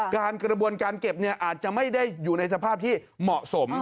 กระบวนการเก็บอาจจะไม่ได้อยู่ในสภาพที่เหมาะสม